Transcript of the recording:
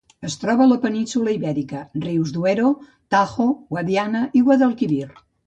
Es troba a la península Ibèrica: rius Duero, Tajo, Guadiana i Guadalquivir.